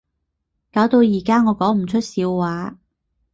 搞到而家我講唔出笑話